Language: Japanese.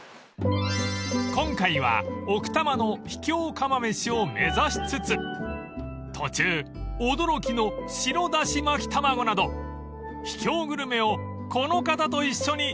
［今回は奥多摩の秘境釜めしを目指しつつ途中驚きの白だしまき玉子など秘境グルメをこの方と一緒に食べ尽くします］